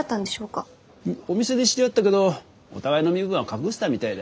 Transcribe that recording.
お店で知り合ったけどお互いの身分は隠してたみたいだよ。